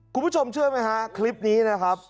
คุณผู้ชมเชื่อไหมฮะคลิปนี้นะครับ